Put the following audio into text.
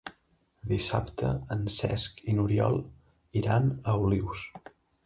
Dissabte en Cesc i n'Oriol iran a Olius.